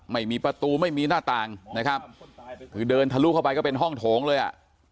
ไม่มีประตูไม่มีหน้าต่างนะครับคือเดินทะลุเข้าไปก็เป็นห้องโถงเลยอ่ะ